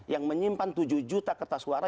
yang menyimpan tujuh juta kertas suara